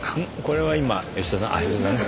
これは今吉田さん？